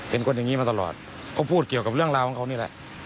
เป็นคนอย่างนี้มาตลอดเขาพูดเกี่ยวกับเรื่องราวของเขานี่แหละ